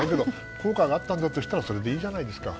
効果があったんだとしたらそれでいいじゃないですか。